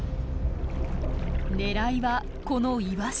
狙いはこのイワシ。